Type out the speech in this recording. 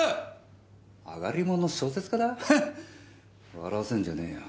笑わせんじゃねえよ。